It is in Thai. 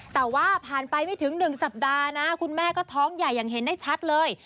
แต่ว่าผ่านไปไม่ถึง๑สัปดาห์นะคุณแม่ก็ท้องใหญ่อย่างเห็นได้ชัดเลย